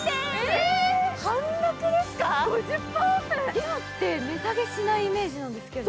ＤＵＯって値下げしないイメージなんですけど。